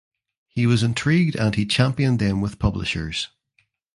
He was intrigued and he championed them with publishers.